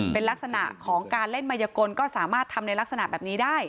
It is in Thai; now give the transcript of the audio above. เป็นลักษณะของการเล่นมายกลก็สามารถทำในลักษณะแบบนี้ได้